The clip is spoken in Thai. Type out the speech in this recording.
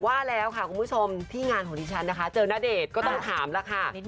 ว่าแล้วค่ะคุณผู้ชมที่งานของดิฉันนะคะเจอณเดชน์ก็ต้องถามแล้วค่ะ